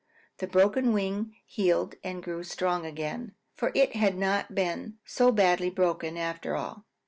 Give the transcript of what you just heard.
The broken wing healed and grew strong again, for it had not been so badly broken, after all.